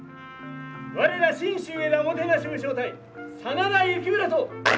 我ら信州上田おもてなし武将隊真田幸村と。